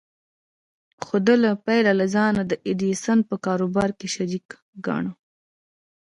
خو ده له پيله لا ځان د ايډېسن په کاروبار کې شريک ګاڼه.